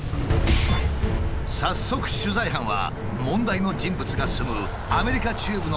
早速取材班は問題の人物が住むアメリカ中部のネブラスカ州へ。